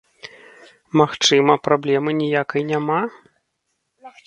Магчыма, праблемы ніякай няма?